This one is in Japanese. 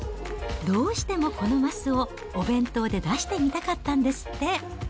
どうしてもこのマスをお弁当で出してみたかったんですって。